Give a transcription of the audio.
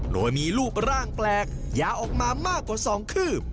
โดยมีรูปร่างแปลกยาวออกมามากกว่า๒คืบ